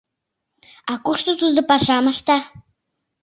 — А кушто тудо пашам ышта?